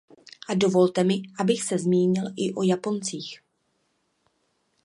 A dovolte mi, abych se zmínil i o Japoncích.